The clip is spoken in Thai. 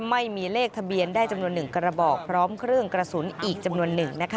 ไม่มีเลขทะเบียนได้จำนวน๑กระบอกพร้อมเครื่องกระสุนอีกจำนวนหนึ่งนะคะ